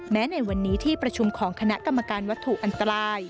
ในวันนี้ที่ประชุมของคณะกรรมการวัตถุอันตราย